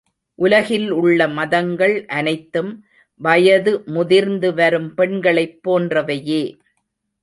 உலகில் உள்ள மதங்கள் அனைத்தும் வயது முதிர்ந்துவரும் பெண்களைப் போன்றவையே.